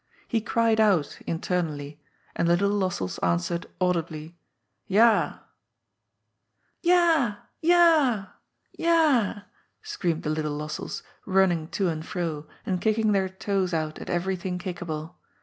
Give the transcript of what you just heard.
He cried out — internally — ^and the little Lossells answered, audibly : Yah. " Yah, yah, yah," screamed the little Lossells, running to and fro, and kicking their toes out at everything kickable.